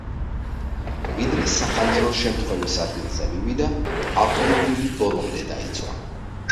ვიდრე სახანძრო შემთხვევის ადგილზე მივიდა, ავტომობილი ბოლომდე დაიწვა.